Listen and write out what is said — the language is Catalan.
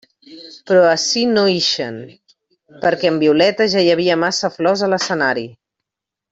Però ací no ixen, perquè amb Violeta ja hi havia massa flors a l'escenari.